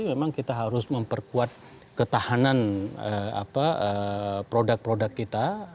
memang kita harus memperkuat ketahanan produk produk kita